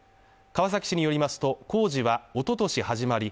川崎市によりますと工事はおととし始まり